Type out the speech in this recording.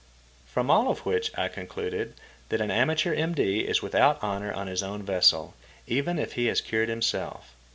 From all of which I concluded that an amateur M.D. is without honour on his own vessel, even if he has cured himself.